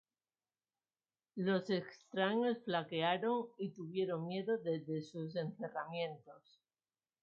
Los extraños flaquearon, Y tuvieron miedo desde sus encerramientos.